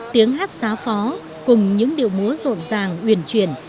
tiếng hát xa phó cùng những điệu múa rộn ràng huyền truyền